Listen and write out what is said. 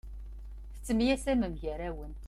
Tettemyasamem gar-awen.